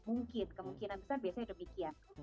mungkin kemungkinan besar biasanya demikian